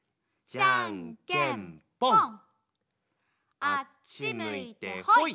じゃんけんぽん！